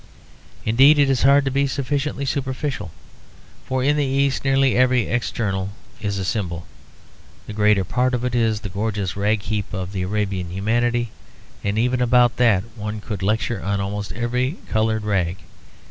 Indeed it is hard to be sufficiently superficial; for in the East nearly every external is a symbol. The greater part of it is the gorgeous rag heap of Arabian humanity, and even about that one could lecture on almost every coloured rag.